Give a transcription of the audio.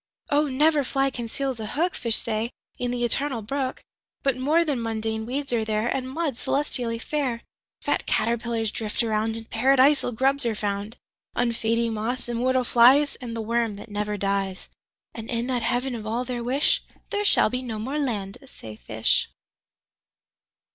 25Oh! never fly conceals a hook,26Fish say, in the Eternal Brook,27But more than mundane weeds are there,28And mud, celestially fair;29Fat caterpillars drift around,30And Paradisal grubs are found;31Unfading moths, immortal flies,32And the worm that never dies.33And in that Heaven of all their wish,34There shall be no more land, say fish.